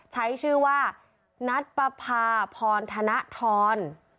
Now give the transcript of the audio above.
ใช้ชื่อว่านัทปภาพรธนทร